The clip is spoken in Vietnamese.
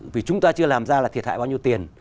vì chúng ta chưa làm ra là thiệt hại bao nhiêu tiền